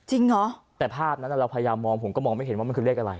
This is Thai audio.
เหรอแต่ภาพนั้นเราพยายามมองผมก็มองไม่เห็นว่ามันคือเลขอะไร